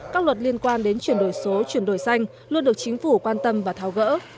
các luật liên quan đến chuyển đổi số chuyển đổi xanh luôn được chính phủ quan tâm và tháo gỡ